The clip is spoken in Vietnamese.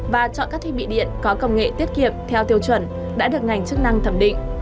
và chọn các thiết bị điện có công nghệ tiết kiệm theo tiêu chuẩn đã được ngành chức năng thẩm định